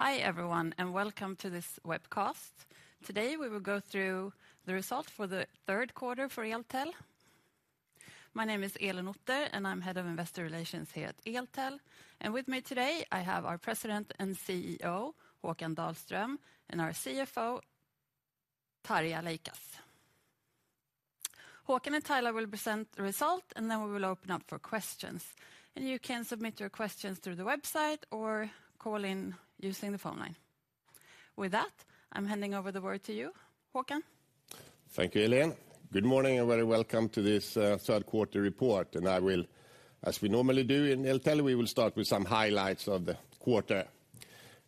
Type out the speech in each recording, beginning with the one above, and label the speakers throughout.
Speaker 1: Hi, everyone, and welcome to this webcast. Today, we will go through the results for the third quarter for Eltel. My name is Elin Otter, and I'm Head of Investor Relations here at Eltel. With me today, I have our President and CEO, Håkan Dahlström, and our CFO, Tarja Leikas. Håkan and Tarja will present the result, and then we will open up for questions. You can submit your questions through the website or call in using the phone line. With that, I'm handing over the word to you, Håkan.
Speaker 2: Thank you, Elin. Good morning, and very welcome to this third quarter report. I will, as we normally do in Eltel, we will start with some highlights of the quarter.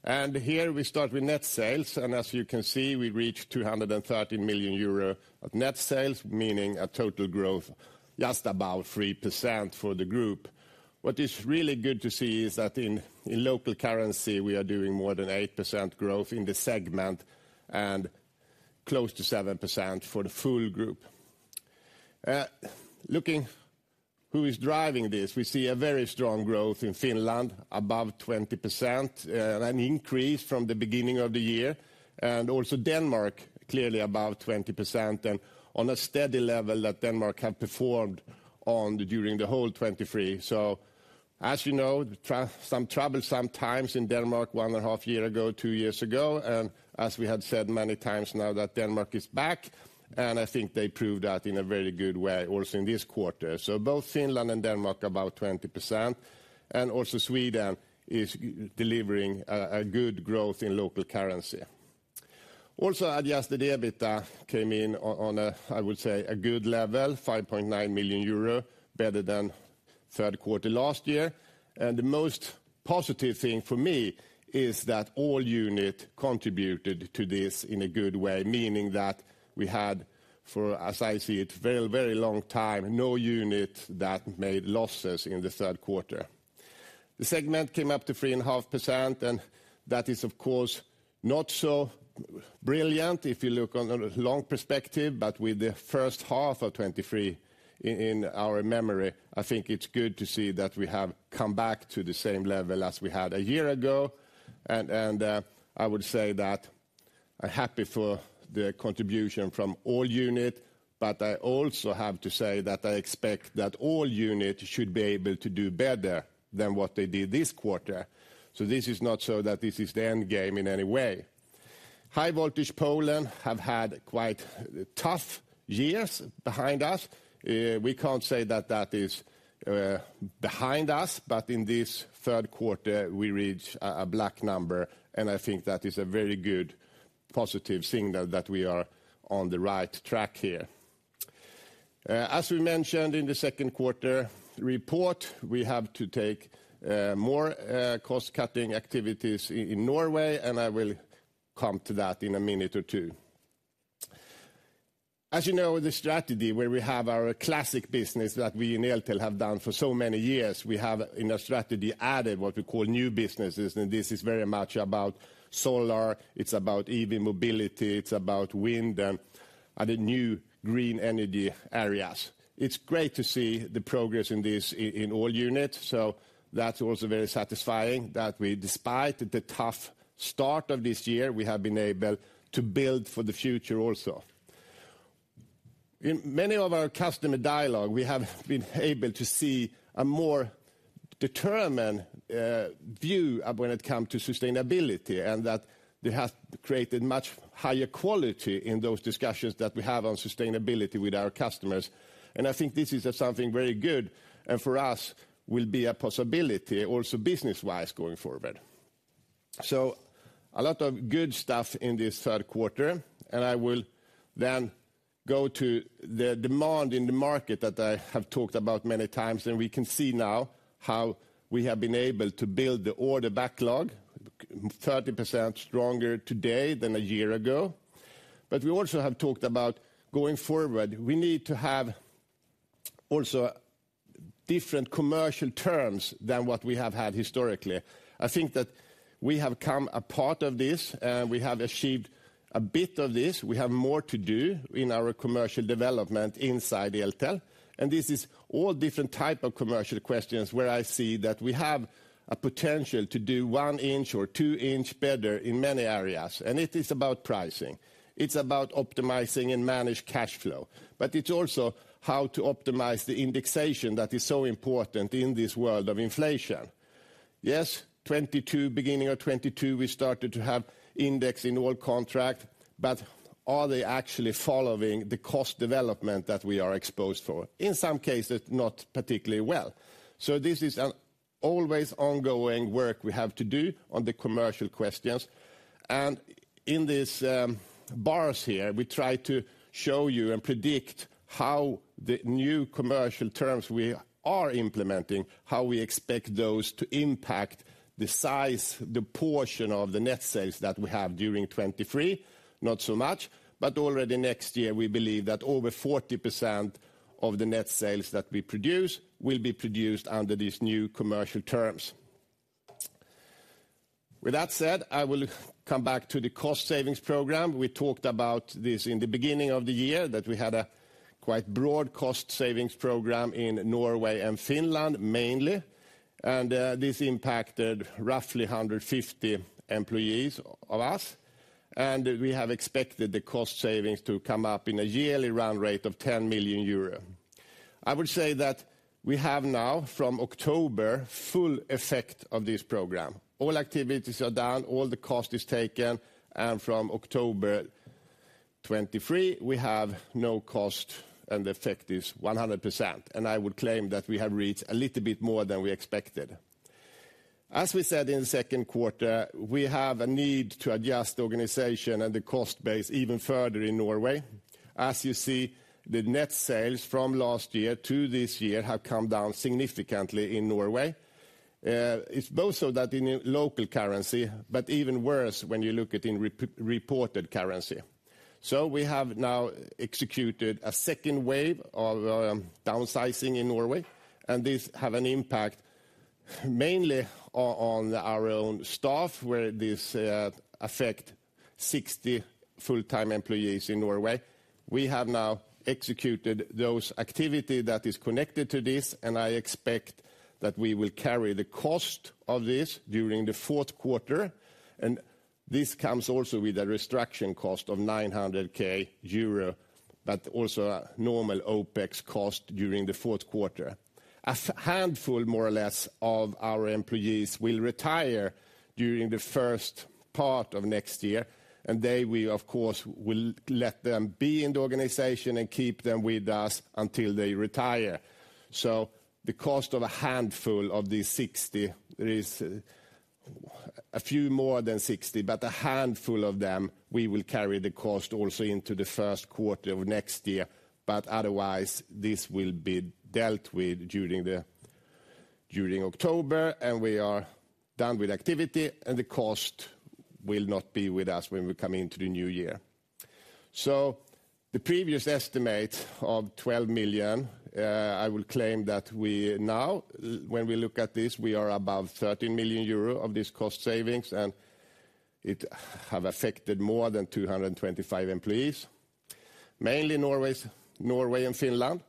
Speaker 2: Here we start with net sales, and as you can see, we reached 230 million euro of net sales, meaning a total growth just about 3% for the group. What is really good to see is that in local currency, we are doing more than 8% growth in the segment and close to 7% for the full group. Looking who is driving this, we see a very strong growth in Finland, above 20%, an increase from the beginning of the year, and also Denmark, clearly above 20% and on a steady level that Denmark have performed on during the whole 2023. So as you know, some trouble sometimes in Denmark, 1.5 years ago, two years ago, and as we have said many times now, that Denmark is back, and I think they proved that in a very good way also in this quarter. So both Finland and Denmark, about 20%, and also Sweden is delivering a good growth in local currency. Also, adjusted EBITDA came in on a, I would say, a good level, 5.9 million euro, better than third quarter last year. And the most positive thing for me is that all unit contributed to this in a good way, meaning that we had, as I see it, very, very long time, no unit that made losses in the third quarter. The segment came up to 3.5%, and that is, of course, not so brilliant if you look on a long perspective, but with the first half of 2023 in our memory, I think it's good to see that we have come back to the same level as we had a year ago. And I would say that I'm happy for the contribution from all unit, but I also have to say that I expect that all units should be able to do better than what they did this quarter. So this is not so that this is the end game in any way. High Voltage Poland have had quite tough years behind us. We can't say that that is behind us, but in this third quarter, we reached a black number, and I think that is a very good, positive signal that we are on the right track here. As we mentioned in the second quarter report, we have to take more cost-cutting activities in Norway, and I will come to that in a minute or two. As you know, the strategy where we have our classic business that we in Eltel have done for so many years, we have, in our strategy, added what we call new businesses, and this is very much about solar, it's about EV mobility, it's about wind, and the new green energy areas. It's great to see the progress in all units, so that's also very satisfying, that we, despite the tough start of this year, we have been able to build for the future also. In many of our customer dialogue, we have been able to see a more determined view of when it come to sustainability, and that it has created much higher quality in those discussions that we have on sustainability with our customers. And I think this is something very good, and for us, will be a possibility, also business-wise, going forward. So a lot of good stuff in this third quarter, and I will then go to the demand in the market that I have talked about many times, and we can see now how we have been able to build the order backlog 30% stronger today than a year ago. But we also have talked about going forward, we need to have also different commercial terms than what we have had historically. I think that we have come a part of this, and we have achieved a bit of this. We have more to do in our commercial development inside Eltel, and this is all different type of commercial questions, where I see that we have a potential to do one-inch or two-inch better in many areas. It is about pricing. It's about optimizing and managed cash flow, but it's also how to optimize the indexation that is so important in this world of inflation. Yes, 2022, beginning of 2022, we started to have index in all contract, but are they actually following the cost development that we are exposed for? In some cases, not particularly well. So this is an always ongoing work we have to do on the commercial questions. And in these bars here, we try to show you and predict how the new commercial terms we are implementing, how we expect those to impact the size, the portion of the net sales that we have during 2023. Not so much, but already next year, we believe that over 40% of the net sales that we produce will be produced under these new commercial terms. With that said, I will come back to the cost savings program. We talked about this in the beginning of the year, that we had quite broad cost savings program in Norway and Finland, mainly, and this impacted roughly 150 employees of us, and we have expected the cost savings to come up in a yearly run rate of 10 million euro. I would say that we have now, from October, full effect of this program. All activities are down, all the cost is taken, and from October 2023, we have no cost, and the effect is 100%, and I would claim that we have reached a little bit more than we expected. As we said in the second quarter, we have a need to adjust the organization and the cost base even further in Norway. As you see, the net sales from last year to this year have come down significantly in Norway. It's both so that in the local currency, but even worse when you look at in reported currency. So we have now executed a second wave of downsizing in Norway, and this have an impact mainly on our own staff, where this affect 60 full-time employees in Norway. We have now executed those activities that is connected to this, and I expect that we will carry the cost of this during the fourth quarter, and this comes also with a restructuring cost of 900,000 euro, but also a normal OpEx cost during the fourth quarter. A handful, more or less, of our employees will retire during the first part of next year, and they, we of course, will let them be in the organization and keep them with us until they retire. So the cost of a handful of these 60, there is a few more than 60, but a handful of them, we will carry the cost also into the first quarter of next year. But otherwise, this will be dealt with during October, and we are done with activity, and the cost will not be with us when we come into the new year. So the previous estimate of 12 million, I will claim that we now, when we look at this, we are above 13 million euro of this cost savings, and it have affected more than 225 employees, mainly Norway and Finland.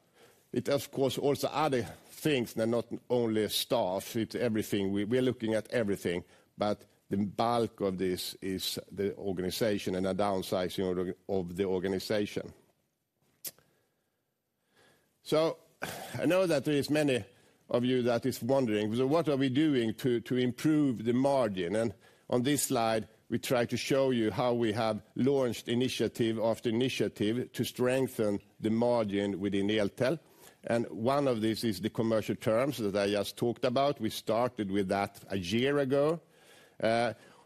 Speaker 2: It, of course, also other things, and not only staff, it's everything. We're looking at everything, but the bulk of this is the organization and the downsizing of the, of the organization. So I know that there is many of you that is wondering, so what are we doing to, to improve the margin? On this slide, we try to show you how we have launched initiative after initiative to strengthen the margin within Eltel, and one of these is the commercial terms that I just talked about. We started with that a year ago.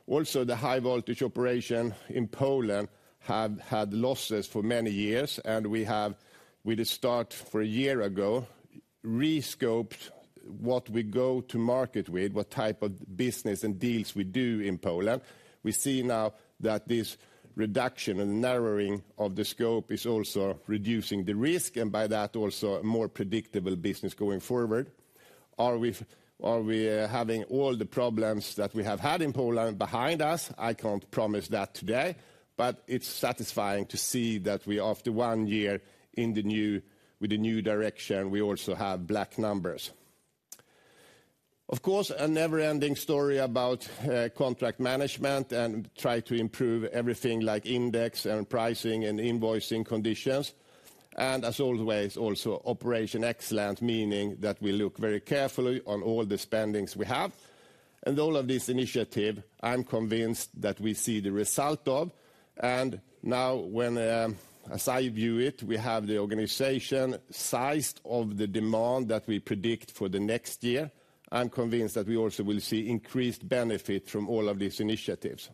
Speaker 2: Also, the High Voltage operation in Poland have had losses for many years, and we have, with the start for a year ago, re-scoped what we go to market with, what type of business and deals we do in Poland. We see now that this reduction and narrowing of the scope is also reducing the risk, and by that, also a more predictable business going forward. Are we having all the problems that we have had in Poland behind us? I can't promise that today, but it's satisfying to see that we, after one year in the new, with the new direction, we also have black numbers. Of course, a never-ending story about contract management and try to improve everything like index and pricing and invoicing conditions, and as always, also operational excellence, meaning that we look very carefully on all the spendings we have. All of this initiative, I'm convinced that we see the result of, and now, when, as I view it, we have the organization sized of the demand that we predict for the next year. I'm convinced that we also will see increased benefit from all of these initiatives.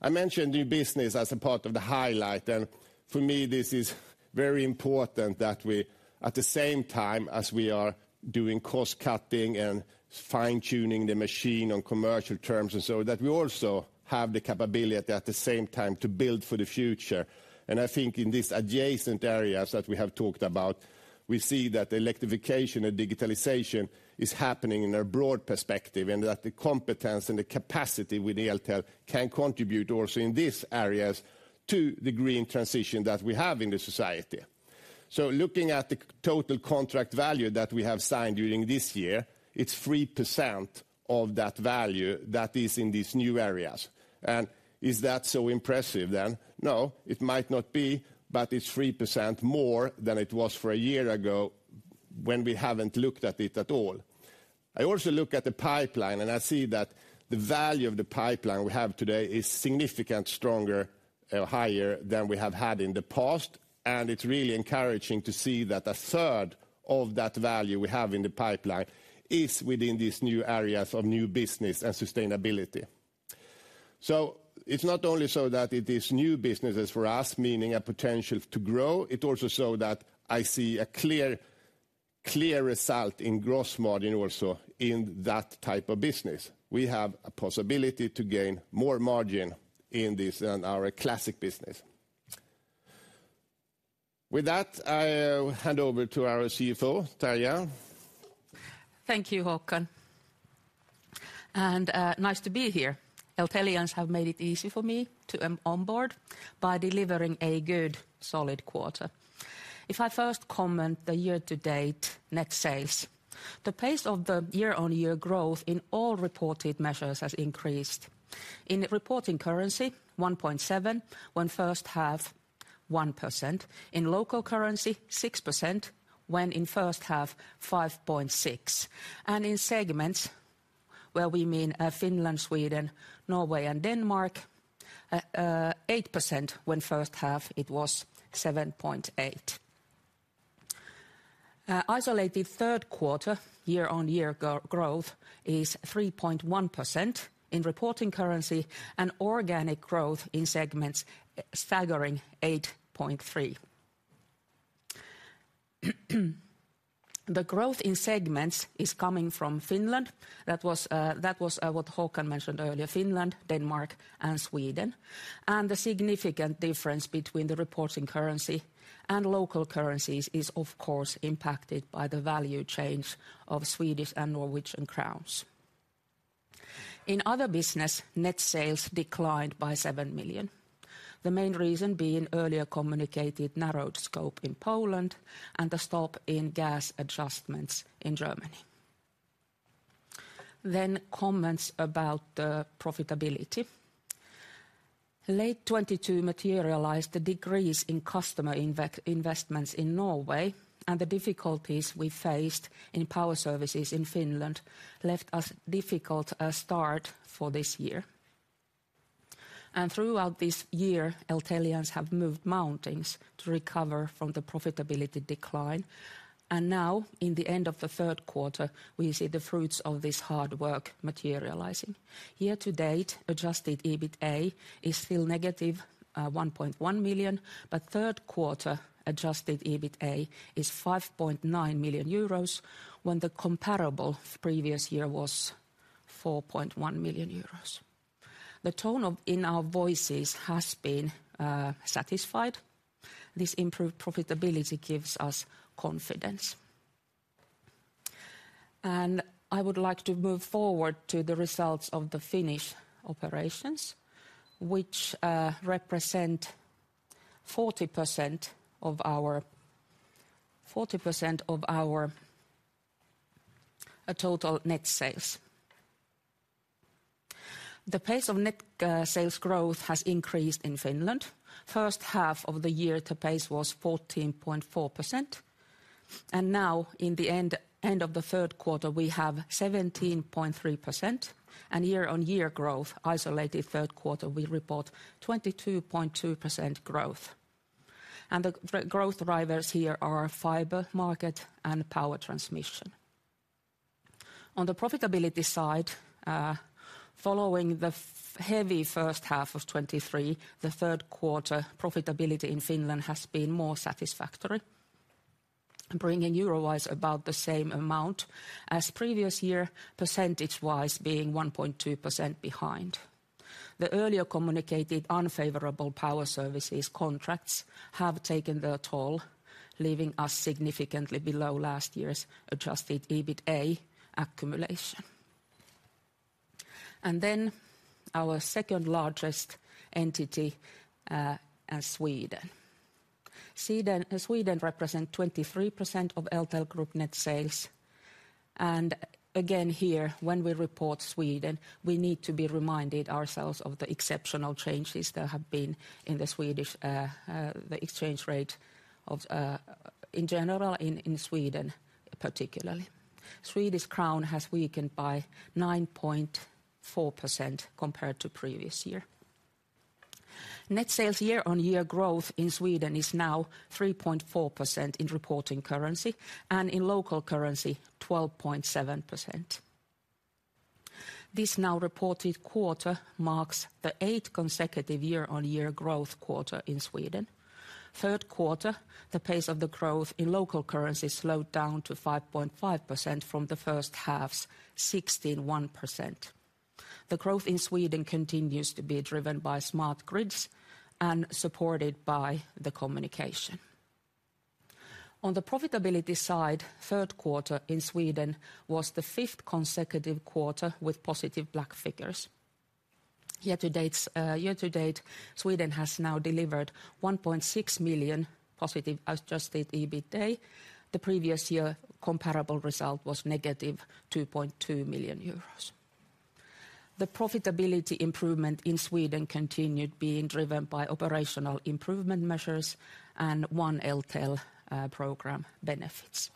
Speaker 2: I mentioned new business as a part of the highlight, and for me, this is very important that we, at the same time as we are doing cost cutting and fine-tuning the machine on commercial terms and so that we also have the capability at the same time to build for the future. And I think in these adjacent areas that we have talked about, we see that the electrification and digitalization is happening in a broad perspective, and that the competence and the capacity with Eltel can contribute also in these areas to the green transition that we have in the society. So looking at the total contract value that we have signed during this year, it's 3% of that value that is in these new areas. And is that so impressive, then? No, it might not be, but it's 3% more than it was for a year ago when we haven't looked at it at all. I also look at the pipeline, and I see that the value of the pipeline we have today is significantly stronger or higher than we have had in the past, and it's really encouraging to see that a third of that value we have in the pipeline is within these new areas of new business and sustainability. So it's not only so that it is new businesses for us, meaning a potential to grow, it's also so that I see a clear, clear result in gross margin also in that type of business. We have a possibility to gain more margin in this than our classic business. With that, I hand over to our CFO, Tarja.
Speaker 3: Thank you, Håkan, and nice to be here. Eltelians have made it easy for me to onboard by delivering a good, solid quarter. If I first comment the year-to-date net sales, the pace of the year-on-year growth in all reported measures has increased. In reporting currency, 1.7%, when first half, 1%. In local currency, 6%, when in first half, 5.6%. And in segments, where we mean Finland, Sweden, Norway, and Denmark, 8%, when first half it was 7.8%. Isolated third quarter year-on-year growth is 3.1% in reporting currency and organic growth in segments staggering 8.3%. The growth in segments is coming from Finland. That was what Håkan mentioned earlier, Finland, Denmark, and Sweden. The significant difference between the reporting currency and local currencies is, of course, impacted by the value change of Swedish and Norwegian crowns. In other business, net sales declined by 7 million, the main reason being earlier communicated narrowed scope in Poland and the stop in gas adjustments in Germany. Then comments about the profitability. Late 2022 materialized the decrease in customer investments in Norway and the difficulties we faced in Power Services in Finland left us a difficult start for this year. And throughout this year, Eltelians have moved mountains to recover from the profitability decline, and now, in the end of the third quarter, we see the fruits of this hard work materializing. Year-to-date, adjusted EBITA is still -1.1 million, but third quarter adjusted EBITA is 5.9 million euros, when the comparable previous year was 4.1 million euros. The tone of in our voices has been, satisfied. This improved profitability gives us confidence. And I would like to move forward to the results of the Finnish operations, which represent 40% of our total net sales. The pace of net sales growth has increased in Finland. First half of the year, the pace was 14.4%, and now, in the end of the third quarter, we have 17.3%. And year-on-year growth, isolated third quarter, we report 22.2% growth. And the growth drivers here are fiber market and power transmission. On the profitability side, following the heavy first half of 2023, the third quarter profitability in Finland has been more satisfactory, bringing Euro-wise about the same amount as previous year, percentage-wise, being 1.2% behind. The earlier communicated unfavorable power services contracts have taken their toll, leaving us significantly below last year's adjusted EBITA accumulation. And then, our second largest entity is Sweden. Sweden, Sweden represent 23% of Eltel Group net sales, and again, here, when we report Sweden, we need to be reminded ourselves of the exceptional changes there have been in the Swedish, the exchange rate of, in general, in Sweden, particularly. Swedish crown has weakened by 9.4% compared to previous year. Net sales year-on-year growth in Sweden is now 3.4% in reporting currency, and in local currency, 12.7%. This now reported quarter marks the eight consecutive year-on-year growth quarter in Sweden. Third quarter, the pace of the growth in local currency slowed down to 5.5% from the first half's 16.1%. The growth in Sweden continues to be driven by smart grids and supported by the communication. On the profitability side, third quarter in Sweden was the fifth consecutive quarter with positive black figures. Year-to-date, Sweden has now delivered 1.6 million positive adjusted EBITA. The previous year comparable result was -2.2 million euros. The profitability improvement in Sweden continued being driven by operational improvement measures and One Eltel program benefits.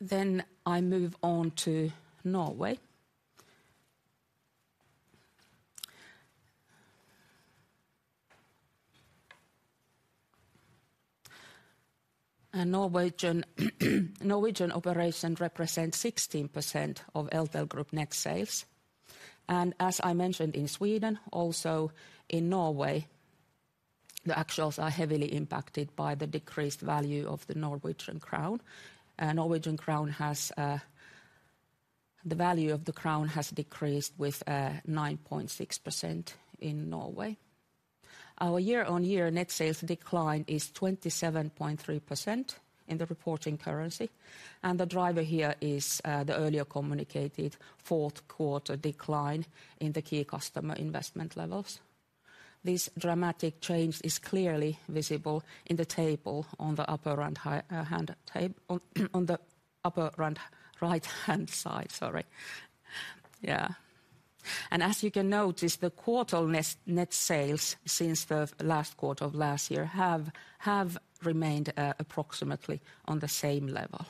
Speaker 3: Then I move on to Norway. Norwegian operation represents 16% of Eltel Group net sales. As I mentioned in Sweden, also in Norway, the actuals are heavily impacted by the decreased value of the Norwegian krone. The value of the krone has decreased with 9.6% in Norway. Our year-on-year net sales decline is 27.3% in the reporting currency, and the driver here is the earlier communicated fourth quarter decline in the key customer investment levels. This dramatic change is clearly visible in the table on the upper and right-hand side. As you can notice, the quarterly net sales since the last quarter of last year have remained approximately on the same level.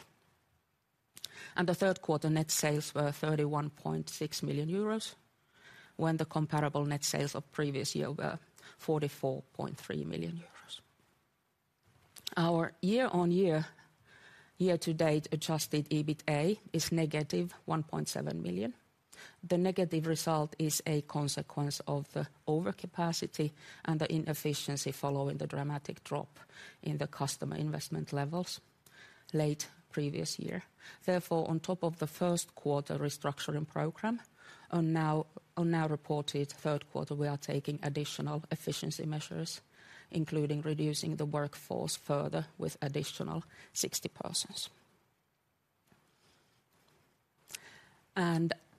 Speaker 3: The third quarter net sales were 31.6 million euros, when the comparable net sales of previous year were 44.3 million euros. Our year-over-year, year-to-date adjusted EBITA is -1.7 million. The negative result is a consequence of the overcapacity and the inefficiency following the dramatic drop in the customer investment levels late previous year. Therefore, on top of the first quarter restructuring program, in the now reported third quarter, we are taking additional efficiency measures, including reducing the workforce further with additional 60 persons.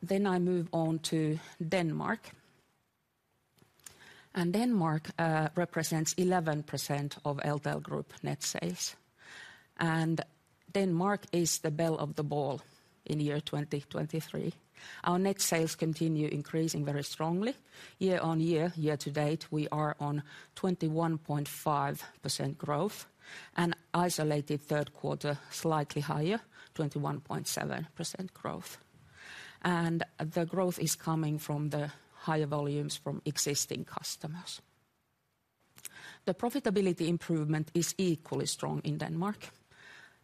Speaker 3: Then I move on to Denmark. Denmark represents 11% of Eltel Group net sales, and Denmark is the belle of the ball in year 2023. Our net sales continue increasing very strongly. Year-over-year, year-to-date, we are on 21.5% growth, and isolated third quarter, slightly higher, 21.7% growth. And the growth is coming from the higher volumes from existing customers. The profitability improvement is equally strong in Denmark.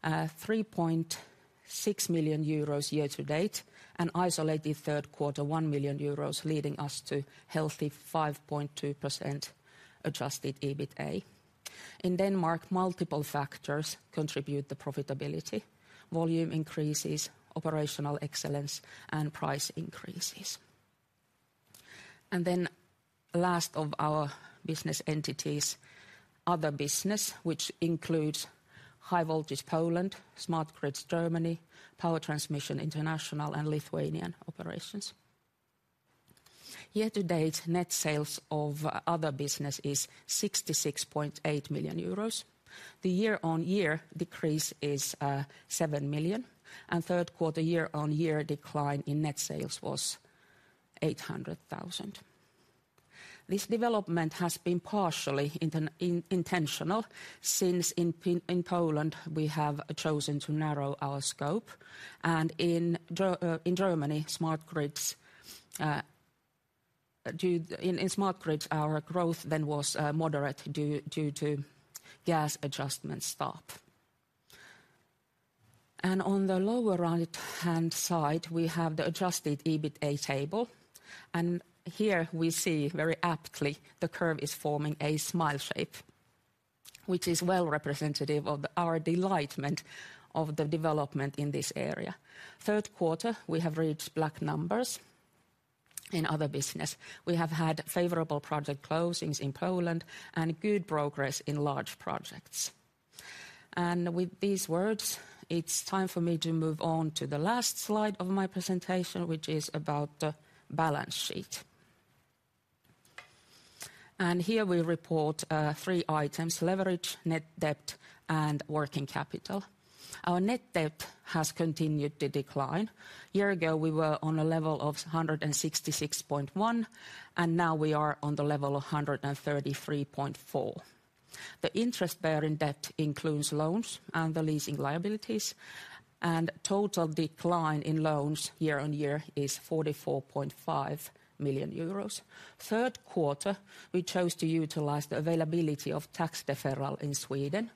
Speaker 3: 3.6 million euros year-to-date, an isolated third quarter, 1 million euros, leading us to healthy 5.2% adjusted EBITA. In Denmark, multiple factors contribute the profitability, volume increases, operational excellence, and price increases. Then last of our business entities, other business, which includes High Voltage Poland, Smart Grids Germany, Power Transmission International, and Lithuanian operations. Year-to-date, net sales of other business is 66.8 million euros. The year-on-year decrease is 7 million, and third quarter year-on-year decline in net sales was 800,000. This development has been partially intentional since in Poland, we have chosen to narrow our scope, and in Germany, smart grids our growth then was moderate due to gas adjustment stop. On the lower right-hand side, we have the adjusted EBITA table, and here we see very aptly, the curve is forming a smile shape, which is well representative of our delightment of the development in this area. Third quarter, we have reached black numbers in other business. We have had favorable project closings in Poland and good progress in large projects. And with these words, it's time for me to move on to the last slide of my presentation, which is about the balance sheet. And here we report three items: leverage, net debt, and working capital. Our net debt has continued to decline. A year ago, we were on a level of 166.1, and now we are on the level of 133.4. The interest bearing debt includes loans and the leasing liabilities, and total decline in loans year-on-year is 44.5 million euros. Third quarter, we chose to utilize the availability of tax deferral in Sweden.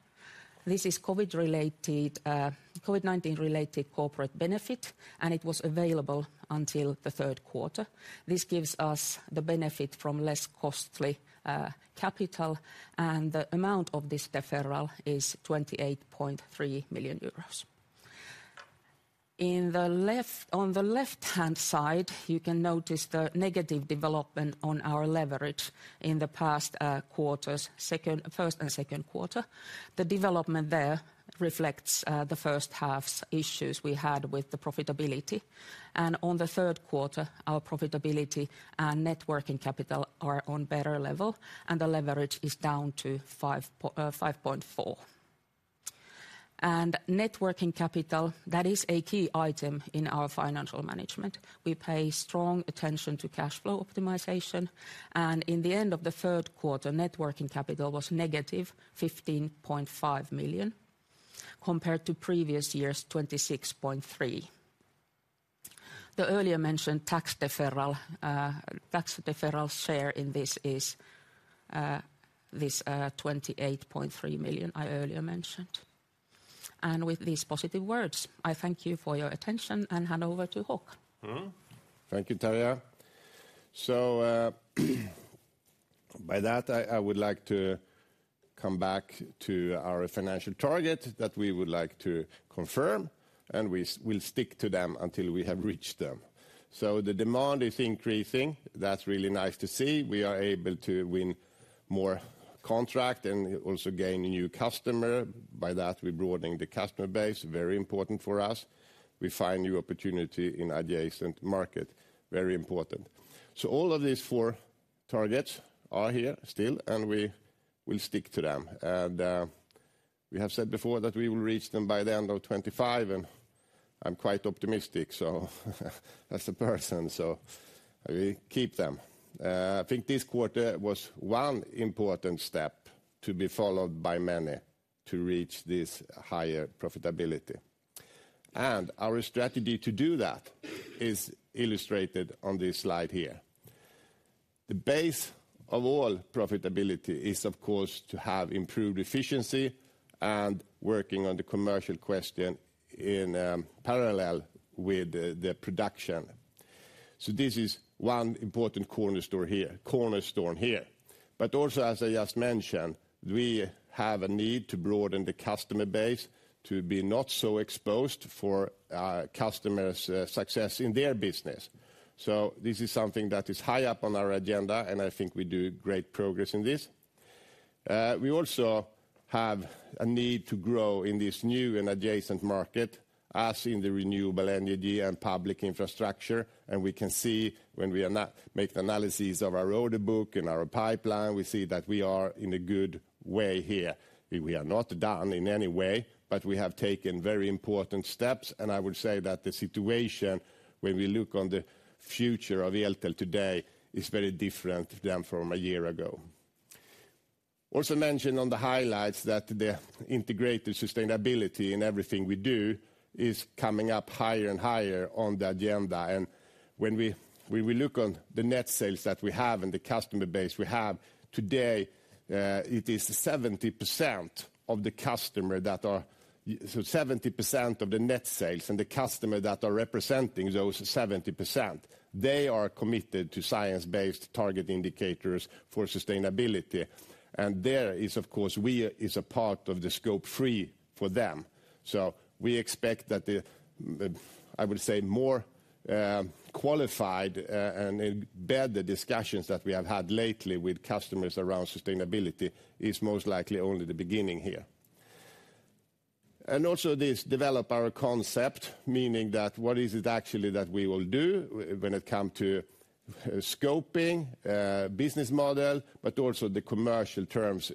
Speaker 3: This is COVID-related, COVID-19-related corporate benefit, and it was available until the third quarter. This gives us the benefit from less costly capital, and the amount of this deferral is 28.3 million euros. On the left-hand side, you can notice the negative development on our leverage in the past quarters, second, first and second quarter. The development there reflects the first half's issues we had with the profitability. And on the third quarter, our profitability and net working capital are on better level, and the leverage is down to 5.4. And net working capital, that is a key item in our financial management. We pay strong attention to cash flow optimization, and in the end of the third quarter, net working capital was -15.5 million, compared to previous year's 26.3 million. The earlier mentioned tax deferral share in this is this 28.3 million I earlier mentioned. With these positive words, I thank you for your attention and hand over to Håkan.
Speaker 2: Mm-hmm. Thank you, Tarja. So, by that, I would like to come back to our financial target that we would like to confirm, and we'll stick to them until we have reached them. So the demand is increasing. That's really nice to see. We are able to win more contract and also gain a new customer. By that, we're broadening the customer base, very important for us. We find new opportunity in adjacent market, very important. So all of these four targets are here still, and we will stick to them. And, we have said before that we will reach them by the end of 2025, and I'm quite optimistic, so as a person, so we keep them. I think this quarter was one important step to be followed by many to reach this higher profitability. Our strategy to do that is illustrated on this slide here. The base of all profitability is, of course, to have improved efficiency and working on the commercial question in parallel with the production. So this is one important cornerstone here, cornerstone here. But also, as I just mentioned, we have a need to broaden the customer base to be not so exposed for customers success in their business. So this is something that is high up on our agenda, and I think we do great progress in this. We also have a need to grow in this new and adjacent market, as in the renewable energy and public infrastructure, and we can see when we make the analysis of our order book and our pipeline, we see that we are in a good way here. We are not done in any way, but we have taken very important steps, and I would say that the situation, when we look on the future of Eltel today, is very different than from a year ago. Also mentioned on the highlights that the integrated sustainability in everything we do is coming up higher and higher on the agenda. And when we look on the net sales that we have and the customer base we have today, it is 70% of the customer that are—so 70% of the net sales and the customer that are representing those 70%, they are committed to science-based target indicators for sustainability. And there is, of course, we is a part of the Scope 3 for them. So we expect that the, I would say, more qualified and embedded discussions that we have had lately with customers around sustainability is most likely only the beginning here. And also this develop our concept, meaning that what is it actually that we will do when it come to scoping business model, but also the commercial terms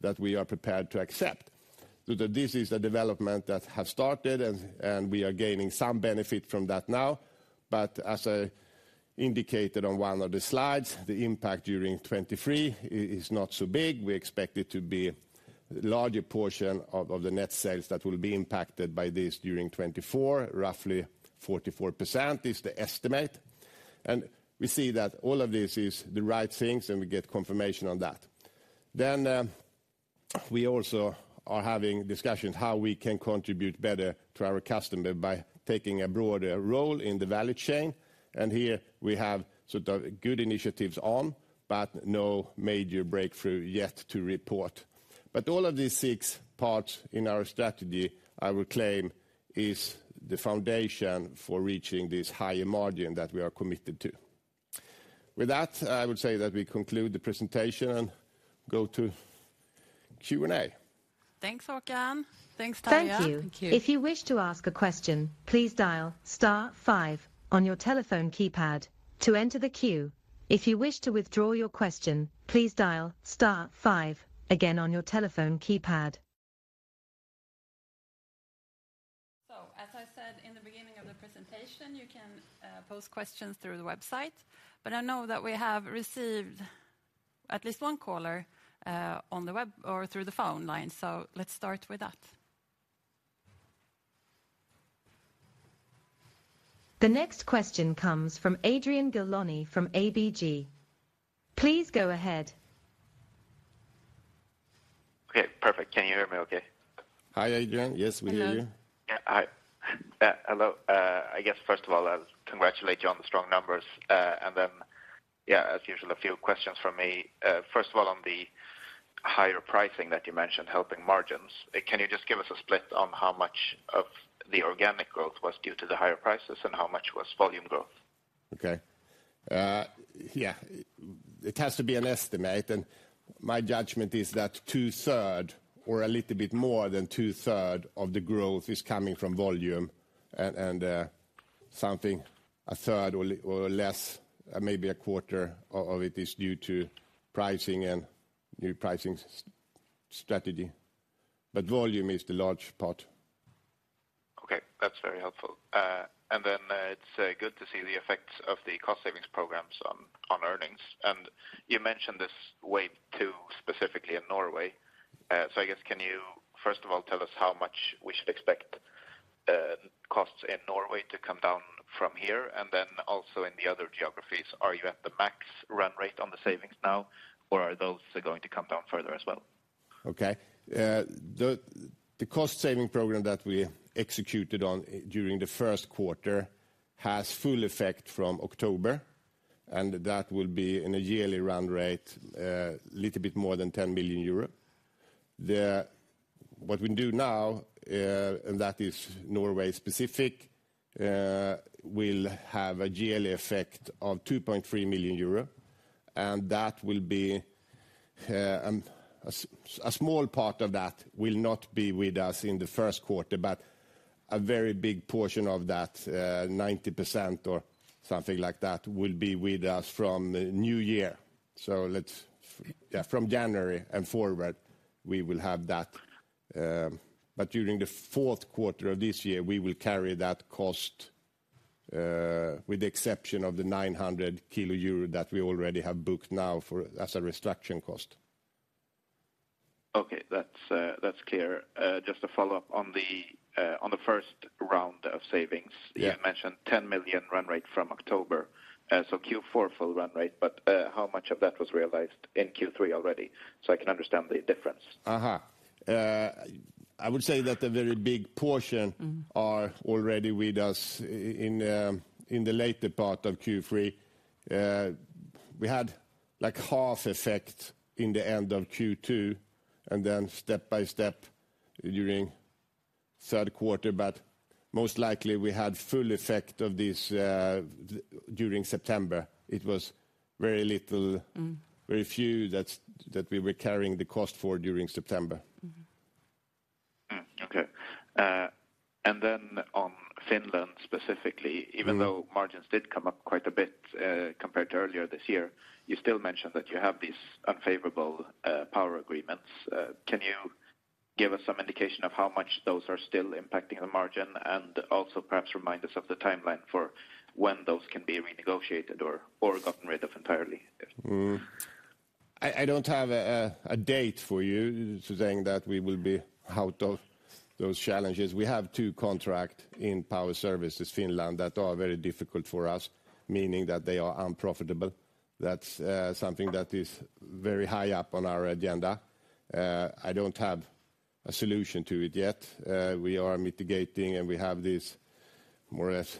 Speaker 2: that we are prepared to accept? So that this is a development that have started, and we are gaining some benefit from that now. But as I indicated on one of the slides, the impact during 2023 is not so big. We expect it to be a larger portion of the net sales that will be impacted by this during 2024. Roughly 44% is the estimate. And we see that all of this is the right things, and we get confirmation on that. Then, we also are having discussions how we can contribute better to our customer by taking a broader role in the value chain, and here we have sort of good initiatives on, but no major breakthrough yet to report. But all of these six parts in our strategy, I would claim, is the foundation for reaching this higher margin that we are committed to. With that, I would say that we conclude the presentation and go to Q&A.
Speaker 1: Thanks, Håkan. Thanks, Tarja.
Speaker 4: Thank you.
Speaker 1: Thank you.
Speaker 4: If you wish to ask a question, please dial *5 on your telephone keypad to enter the queue. If you wish to withdraw your question, please dial *5 again on your telephone keypad.
Speaker 1: So, as I said in the beginning of the presentation, you can pose questions through the website, but I know that we have received at least one caller on the web or through the phone line, so let's start with that.
Speaker 4: The next question comes from Adrian Gilani from ABG. Please go ahead.
Speaker 5: Okay, perfect. Can you hear me okay?
Speaker 2: Hi, Adrian. Yes, we hear you.
Speaker 1: Mm-hmm.
Speaker 5: Yeah, hi. Hello. I guess, first of all, I'll congratulate you on the strong numbers, and then, yeah, as usual, a few questions from me. First of all, on the higher pricing that you mentioned, helping margins, can you just give us a split on how much of the organic growth was due to the higher prices and how much was volume growth?
Speaker 2: Okay. Yeah, it has to be an estimate, and my judgment is that two-thirds or a little bit more than two-thirds of the growth is coming from volume and something, a third or less, maybe a quarter of it is due to pricing and new pricing strategy, but volume is the large part.
Speaker 5: Okay, that's very helpful. And then, it's good to see the effects of the cost savings programs on earnings. And you mentioned this wave two, specifically in Norway. So I guess, can you, first of all, tell us how much we should expect costs in Norway to come down from here? And then also in the other geographies, are you at the max run rate on the savings now, or are those going to come down further as well?
Speaker 2: Okay, the cost saving program that we executed on during the first quarter has full effect from October, and that will be in a yearly run rate, a little bit more than 10 million euro. What we do now, and that is Norway specific, will have a yearly effect of 2.3 million euro, and that will be, a small part of that will not be with us in the first quarter, but a very big portion of that, 90% or something like that, will be with us from the new year. So let's, yeah, from January and forward, we will have that. But during the fourth quarter of this year, we will carry that cost, with the exception of the 900,000 euro that we already have booked now for as a restructuring cost.
Speaker 5: Okay, that's clear. Just to follow up on the first round of savings.
Speaker 2: Yeah.
Speaker 5: You mentioned 10 million run rate from October. So Q4 full run rate, but how much of that was realized in Q3 already, so I can understand the difference?
Speaker 2: I would say that the very big portion are already with us in the later part of Q3. We had like half effect in the end of Q2, and then step-by-step during third quarter, but most likely we had full effect of this during September. It was very little.
Speaker 3: Mm.
Speaker 2: Very few that we were carrying the cost for during September.
Speaker 5: Mm-hmm. Mm, okay. And then on Finland specifically.
Speaker 2: Mm.
Speaker 5: Even though margins did come up quite a bit, compared to earlier this year, you still mentioned that you have these unfavorable power agreements. Can you give us some indication of how much those are still impacting the margin? And also perhaps remind us of the timeline for when those can be renegotiated or gotten rid of entirely.
Speaker 2: I don't have a date for you saying that we will be out of those challenges. We have two contracts in Power Services, Finland, that are very difficult for us, meaning that they are unprofitable. That's something that is very high up on our agenda. I don't have a solution to it yet. We are mitigating, and we have this more or less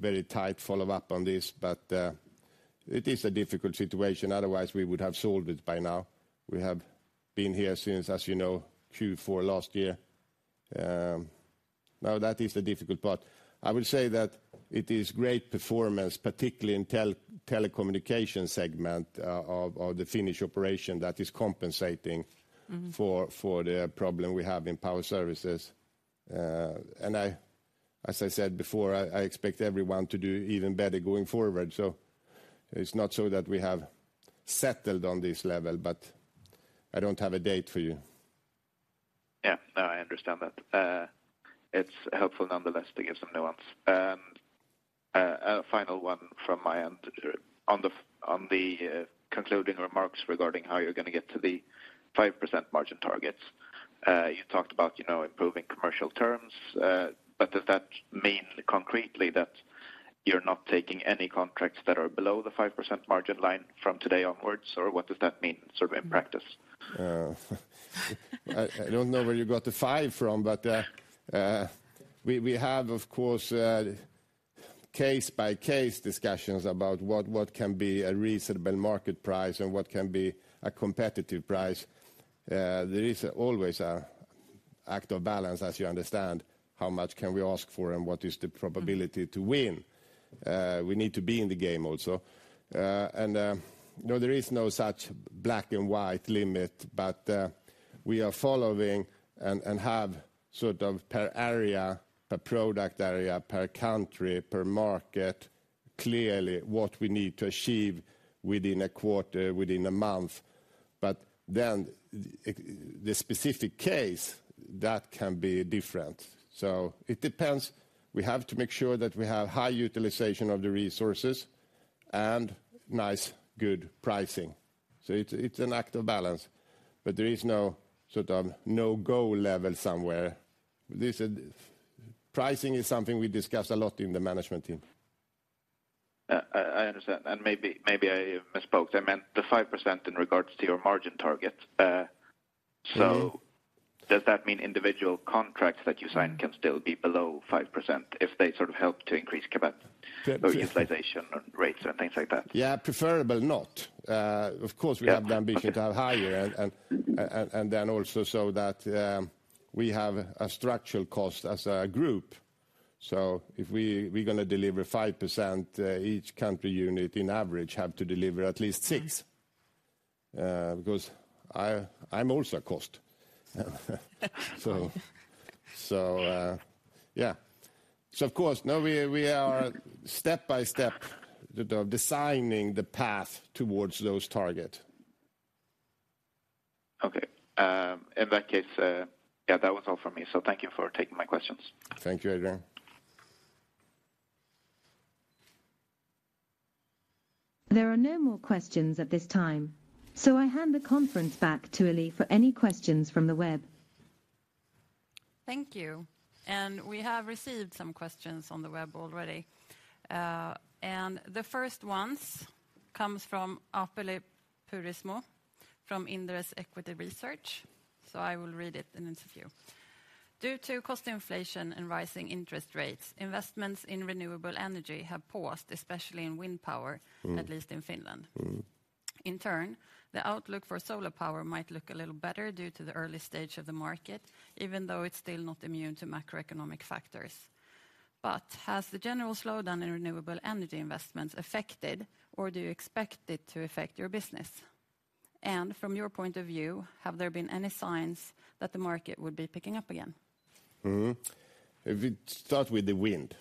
Speaker 2: very tight follow-up on this, but it is a difficult situation, otherwise we would have solved it by now. We have been here since, as you know, Q4 last year. Now that is the difficult part. I will say that it is great performance, particularly in telecommunication segment, of the Finnish operation that is compensating.
Speaker 3: Mm.
Speaker 2: For the problem we have in power services. And, as I said before, I expect everyone to do even better going forward. So it's not so that we have settled on this level, but I don't have a date for you.
Speaker 5: Yeah, no, I understand that. It's helpful nonetheless to get some nuance. A final one from my end. On the concluding remarks regarding how you're going to get to the 5% margin targets. You talked about, you know, improving commercial terms, but does that mean concretely that you're not taking any contracts that are below the 5% margin line from today onwards, or what does that mean, sort of, in practice?
Speaker 2: I don't know where you got the 5% from, but we have, of course, case-by-case discussions about what can be a reasonable market price and what can be a competitive price. There is always an act of balance, as you understand, how much can we ask for and what is the probability to win. We need to be in the game also. You know, there is no such black and white limit, but we are following and have sort of per area, per product area, per country, per market, clearly what we need to achieve within a quarter, within a month. But then the specific case, that can be different. So it depends. We have to make sure that we have high utilization of the resources and nice, good pricing. So it's an act of balance, but there is no sort of no-go level somewhere. This is, pricing is something we discuss a lot in the management team.
Speaker 5: I understand, and maybe I misspoke. I meant the 5% in regards to your margin target.
Speaker 2: Mm-hmm.
Speaker 5: So does that mean individual contracts that you sign can still be below 5% if they sort of help to increase CapEx?
Speaker 2: Yeah.
Speaker 5: Or utilization rates and things like that?
Speaker 2: Yeah, preferable not. Of course.
Speaker 5: Yeah
Speaker 2: We have the ambition to have higher.
Speaker 5: Mm-hmm.
Speaker 2: And then also so that we have a structural cost as a group. So if we're gonna deliver 5%, each country unit in average have to deliver at least 6%, because I'm also a cost. So yeah. So of course, now we are step-by-step designing the path towards those target.
Speaker 5: Okay. In that case, yeah, that was all for me, so thank you for taking my questions.
Speaker 2: Thank you, Adrian.
Speaker 4: There are no more questions at this time, so I hand the conference back to Elin for any questions from the web.
Speaker 1: Thank you, and we have received some questions on the web already. And the first ones comes from Aapeli Pursimo from Inderes Equity Research, so I will read it and it's a few. Due to cost inflation and rising interest rates, investments in renewable energy have paused, especially in wind power.
Speaker 2: Mm.
Speaker 1: At least in Finland.
Speaker 2: Mm.
Speaker 1: In turn, the outlook for solar power might look a little better due to the early stage of the market, even though it's still not immune to macroeconomic factors. But has the general slowdown in renewable energy investments affected, or do you expect it to affect, your business? And from your point of view, have there been any signs that the market would be picking up again?
Speaker 2: Mm-hmm. If we start with the wind,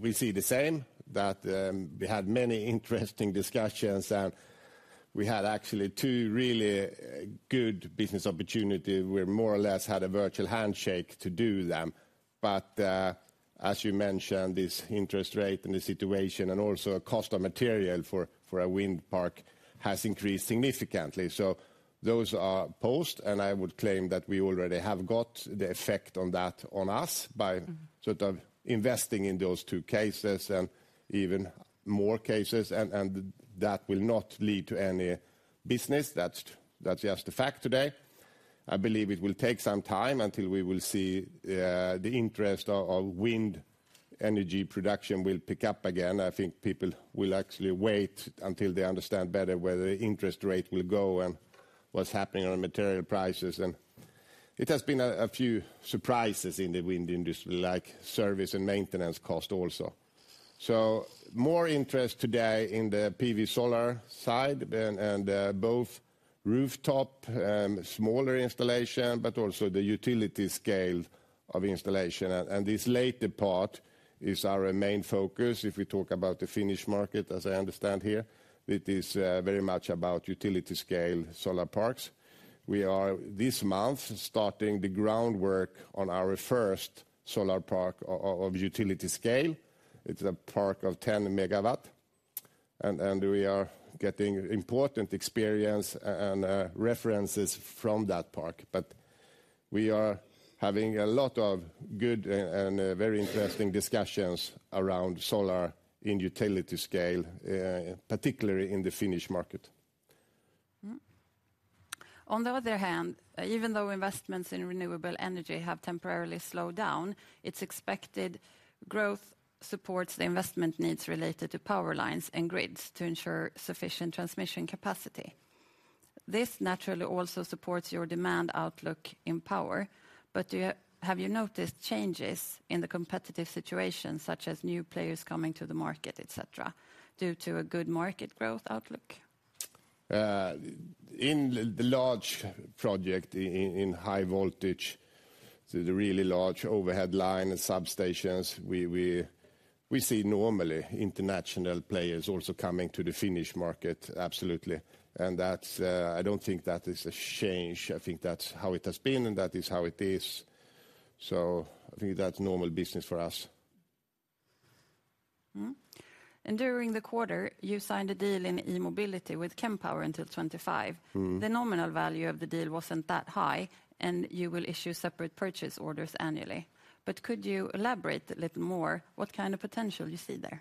Speaker 2: we see the same, that we had many interesting discussions, and we had actually two really good business opportunity. We more or less had a virtual handshake to do them, but as you mentioned, this interest rate and the situation, and also a cost of material for a wind park, has increased significantly. So those are paused, and I would claim that we already have got the effect on that on us by.
Speaker 1: Mm
Speaker 2: Sort of investing in those two cases and even more cases, and that will not lead to any business. That's just a fact today. I believe it will take some time until we will see the interest in wind energy production will pick up again. I think people will actually wait until they understand better where the interest rate will go and what's happening on material prices, and it has been a few surprises in the wind industry, like service and maintenance cost also. So more interest today in the PV solar side, and both rooftop, smaller installation, but also the utility scale of installation, and this later part is our main focus. If we talk about the Finnish market, as I understand here, it is very much about utility scale solar parks. We are, this month, starting the groundwork on our first solar park of utility scale. It's a park of 10 MW, and we are getting important experience and references from that park. But we are having a lot of good and very interesting discussions around solar in utility scale, particularly in the Finnish market.
Speaker 1: On the other hand, even though investments in renewable energy have temporarily slowed down, it's expected growth supports the investment needs related to power lines and grids to ensure sufficient transmission capacity. This naturally also supports your demand outlook in power, but do you, have you noticed changes in the competitive situation, such as new players coming to the market, et cetera, due to a good market growth outlook?
Speaker 2: In the large project, in High Voltage, the really large overhead line and substations, we see normally international players also coming to the Finnish market, absolutely. And that's, I don't think that is a change. I think that's how it has been, and that is how it is, so I think that's normal business for us.
Speaker 1: Mm. During the quarter, you signed a deal in e-Mobility with Kempower until 2025.
Speaker 2: Mm.
Speaker 1: The nominal value of the deal wasn't that high, and you will issue separate purchase orders annually. But could you elaborate a little more what kind of potential you see there?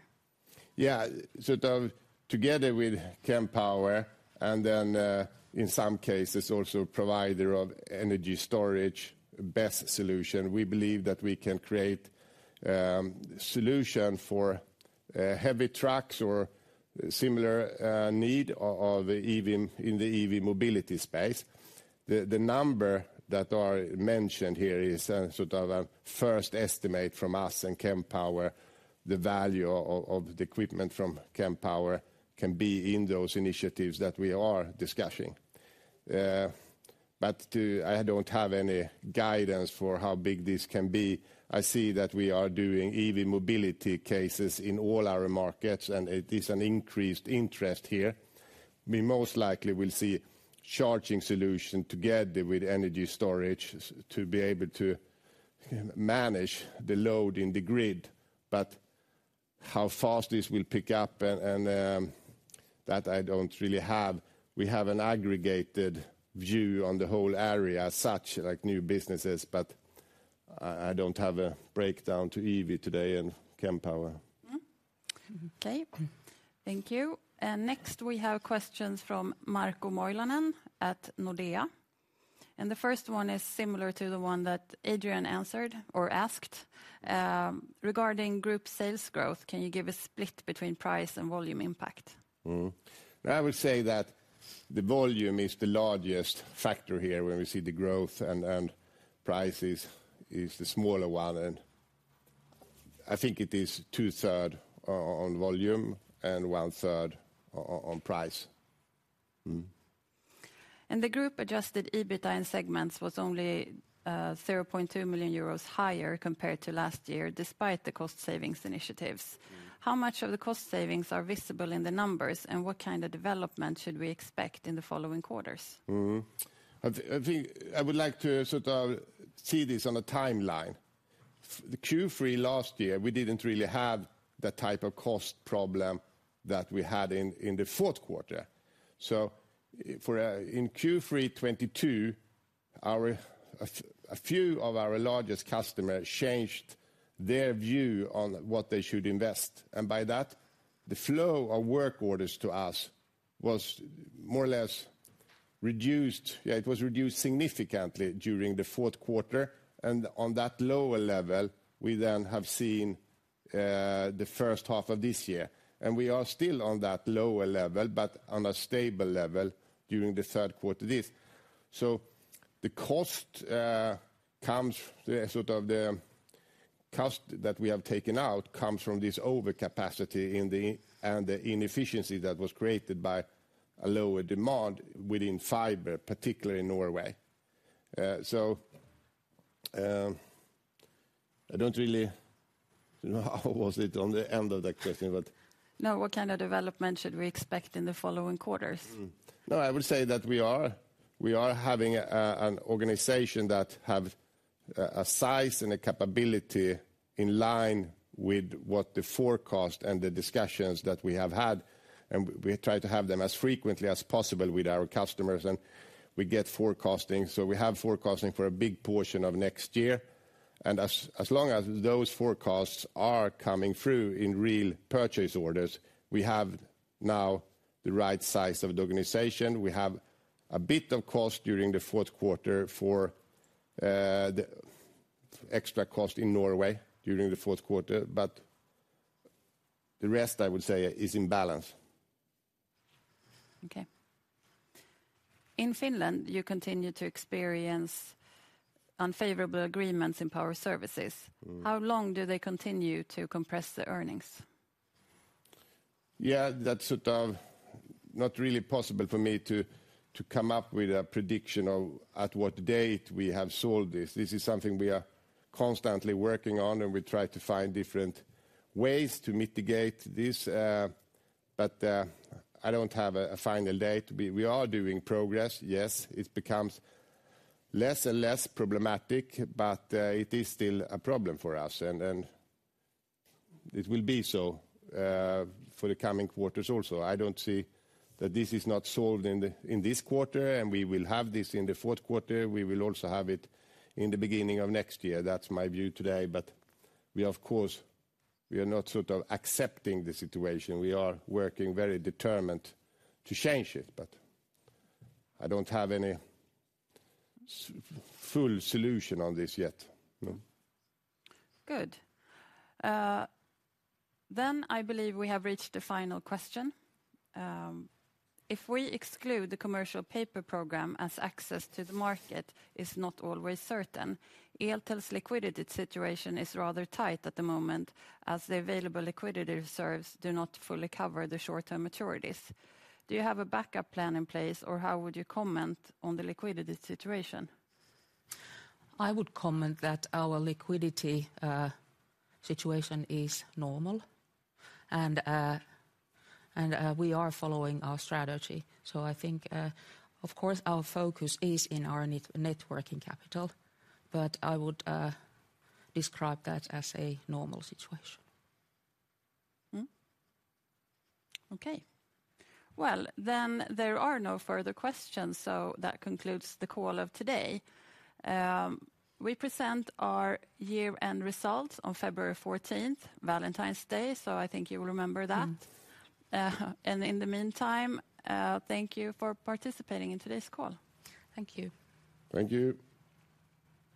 Speaker 2: Yeah. Sort of together with Kempower, and then, in some cases, also provider of energy storage, BESS solution, we believe that we can create solution for heavy trucks or similar, need of EV, in the EV mobility space. The number that are mentioned here is sort of a first estimate from us and Kempower, the value of the equipment from Kempower can be in those initiatives that we are discussing. But I don't have any guidance for how big this can be. I see that we are doing EV mobility cases in all our markets, and it is an increased interest here. We most likely will see charging solution together with energy storage, to be able to manage the load in the grid. But how fast this will pick up, that I don't really have. We have an aggregated view on the whole area as such, like new businesses, but I, I don't have a breakdown to EV today and Kempower.
Speaker 1: Okay, thank you. And next, we have questions from Markku Moilanen at Nordea, and the first one is similar to the one that Adrian answered or asked. Regarding group sales growth, can you give a split between price and volume impact?
Speaker 2: I would say that the volume is the largest factor here when we see the growth, and price is the smaller one, and I think it is two-third on volume and one-third on price.
Speaker 1: The group adjusted EBITA segments was only 0.2 million euros higher compared to last year, despite the cost savings initiatives.
Speaker 2: Mm.
Speaker 1: How much of the cost savings are visible in the numbers, and what kind of development should we expect in the following quarters?
Speaker 2: I think I would like to sort of see this on a timeline. The Q3 last year, we didn't really have the type of cost problem that we had in the fourth quarter. So for in Q3 2022, a few of our largest customers changed their view on what they should invest. And by that, the flow of work orders to us was more or less reduced. Yeah, it was reduced significantly during the fourth quarter, and on that lower level, we then have seen the first half of this year. And we are still on that lower level, but on a stable level during the third quarter this. So the cost comes, the sort of the cost that we have taken out, comes from this overcapacity in the and the inefficiency that was created by a lower demand within fiber, particularly in Norway. I don't really, how was it on the end of that question, but?
Speaker 1: No, what kind of development should we expect in the following quarters?
Speaker 2: No, I would say that we are having an organization that have a size and a capability in line with what the forecast and the discussions that we have had, and we try to have them as frequently as possible with our customers, and we get forecasting. So we have forecasting for a big portion of next year, and as long as those forecasts are coming through in real purchase orders, we have now the right size of the organization. We have a bit of cost during the fourth quarter for the extra cost in Norway during the fourth quarter, but the rest, I would say, is in balance.
Speaker 1: Okay. In Finland, you continue to experience unfavorable agreements in Power Services.
Speaker 2: Mm.
Speaker 1: How long do they continue to compress the earnings?
Speaker 2: Yeah, that's sort of not really possible for me to come up with a prediction on at what date we have solved this. This is something we are constantly working on, and we try to find different ways to mitigate this, but I don't have a final date. We are doing progress. Yes, it becomes less and less problematic, but it is still a problem for us, and it will be so for the coming quarters also. I don't see that this is not solved in this quarter, and we will have this in the fourth quarter. We will also have it in the beginning of next year. That's my view today, but we, of course, are not sort of accepting the situation. We are working very determined to change it, but I don't have any full solution on this yet, no.
Speaker 1: Good. I believe we have reached the final question. If we exclude the commercial paper program as access to the market is not always certain, Eltel's liquidity situation is rather tight at the moment, as the available liquidity reserves do not fully cover the short-term maturities. Do you have a backup plan in place, or how would you comment on the liquidity situation?
Speaker 3: I would comment that our liquidity situation is normal, and we are following our strategy. So I think, of course, our focus is in our net working capital, but I would describe that as a normal situation. Mm?
Speaker 1: Okay. Well, then there are no further questions, so that concludes the call of today. We present our year-end results on February 14th, Valentine's Day, so I think you will remember that.
Speaker 3: Mm.
Speaker 1: In the meantime, thank you for participating in today's call.
Speaker 3: Thank you.
Speaker 2: Thank you.